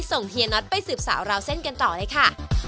เฮียน็อตไปสืบสาวราวเส้นกันต่อเลยค่ะ